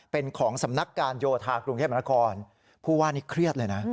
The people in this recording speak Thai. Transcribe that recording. เป็นของสำนักการโยธากรุงเทพมนาคมผู้ว่านี่เครียดเลยนะ